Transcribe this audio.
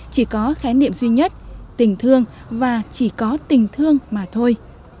chỉ có khái niệm duy nhất tình thương và chỉ có tình thương mà thôi